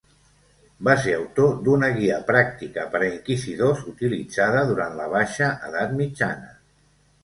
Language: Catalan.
Va ser autor d'una guia pràctica per a inquisidors utilitzada durant la baixa edat mitjana.